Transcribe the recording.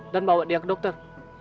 dan bawa dia ke dokter